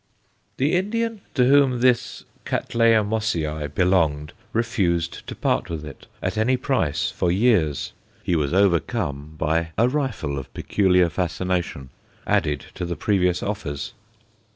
The Indian to whom this Cattleya Mossiæ belonged refused to part with it at any price for years; he was overcome by a rifle of peculiar fascination, added to the previous offers.